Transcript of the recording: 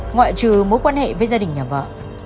ngoại trừ mối quan hệ với gia đình nhà vợ